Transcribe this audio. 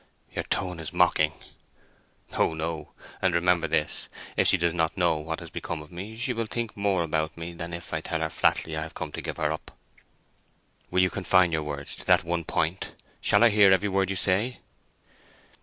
"Your tone is mocking." "Oh no. And remember this, if she does not know what has become of me, she will think more about me than if I tell her flatly I have come to give her up." "Will you confine your words to that one point?—Shall I hear every word you say?"